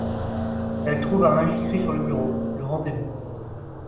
Elle trouve un manuscrit sur le bureau, le Rendez-vous.